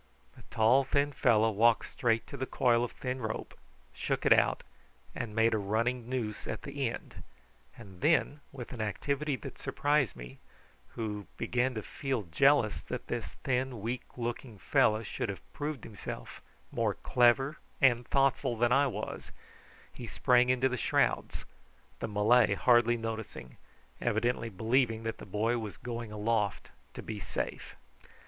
The tall thin fellow walked straight to the coil of thin rope, shook it out, and made a running noose at the end, and then, with an activity that surprised me, who began to feel jealous that this thin weak looking fellow should have proved himself more clever and thoughtful than I was, he sprang into the shrouds, the Malay hardly noticing, evidently believing that the boy was going aloft to be safe.